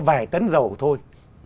vài tấn dầu thôi